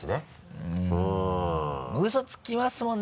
うんウソつきますもんね